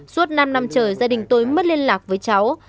suốt năm năm trời gia đình tôi mất liên lạc với cháu